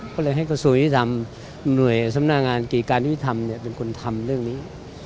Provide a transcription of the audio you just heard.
แหละให้ข่าวสวทธิษฐรมหน่วยสำนางานกรีดการวิทธรรมเป็นคนทำเรื่องนี้